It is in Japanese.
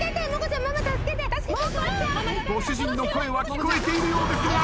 ご主人の声は聞こえているようですが。